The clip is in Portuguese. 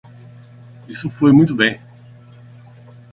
Isso foi muito bem.